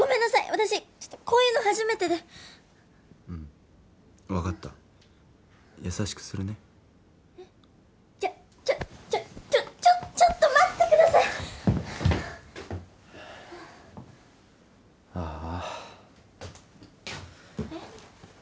私ちょっとこういうの初めてでうん分かった優しくするねえっちょっちょっちょっちょっと待ってくださいああえっ？